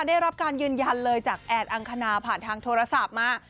ได้รับการยืนยันเลยจากแอนอังคณาผ่านทางโทรศัพท์มา